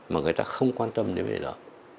mà người ta không quan tâm đến với đó